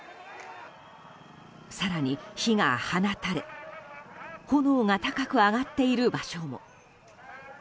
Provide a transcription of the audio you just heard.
更に火が放たれ炎が高く上がっている場所も。